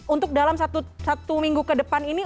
untuk dalam satu minggu ke depan ini